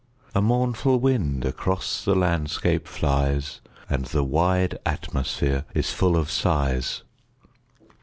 A mournful wind across the landscape flies, And the wide atmosphere is full of sighs.